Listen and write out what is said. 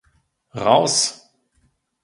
Raus!